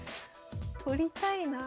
取りたいな。